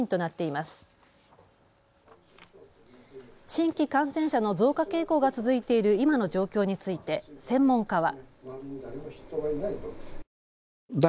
新規感染者の増加傾向が続いている今の状況について専門家は。